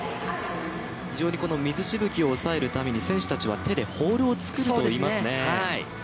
非常に水しぶきを抑えるために、選手たちは手でホールを作るといいますね。